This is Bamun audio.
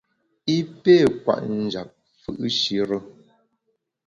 I pé kwet njap fù’shire.